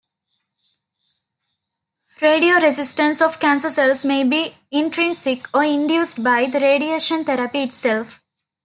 Radioresistance of cancer cells may be intrinsic or induced by the radiation therapy itself.